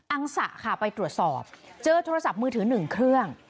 องสะค่ะไปตรวจสอบเจอโทรศัพท์มือถือ๑เครื่อง